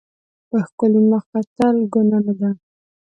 په ښکلي مخ کتل ګناه نه ده.